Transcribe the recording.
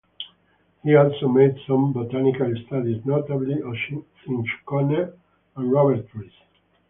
He also made some botanical studies, notably of cinchona and rubber trees.